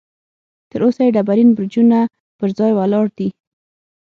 تر اوسه یې ډبرین برجونه پر ځای ولاړ دي.